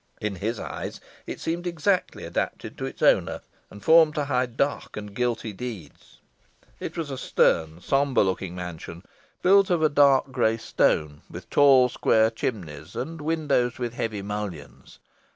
In his eyes it seemed exactly adapted to its owner, and formed to hide dark and guilty deeds. It was a stern, sombre looking mansion, built of a dark grey stone, with tall square chimneys, and windows with heavy mullions.